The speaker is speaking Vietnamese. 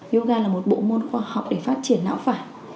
yoga là một bộ môn khoa học để phát triển não phải